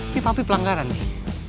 ini pak pi pelanggaran nih